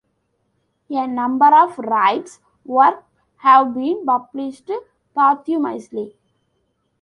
A number of Wright's works have been published posthumously.